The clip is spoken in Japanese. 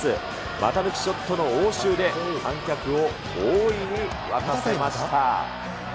股抜きショットの応酬で、観客を大いに沸かせました。